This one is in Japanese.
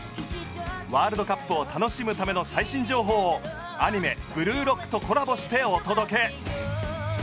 ワールドカップを楽しむための最新情報をアニメ『ブルーロック』とコラボしてお届け。